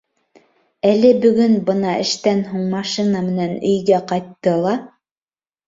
Әле бөгөн бына эштән һуң машина менән өйгә ҡайтты ла: